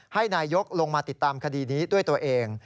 ให้นายกลงมาติดตามคดีนี้ด้วยตัวเอง